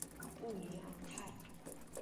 布里昂泰。